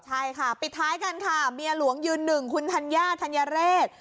ใช่ค่ะปิดท้ายกันค่ะเมียหลวงยืนหนึ่งคุณธัญญาธัญเรศ